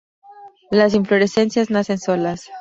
Las inflorescencias nacen solas.